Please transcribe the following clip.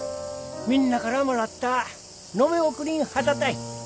みんなからもらった野辺送りん旗たい。